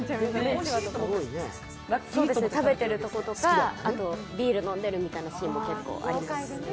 食べてるところとか、ビール飲んでるみたいなシーンも結構あります。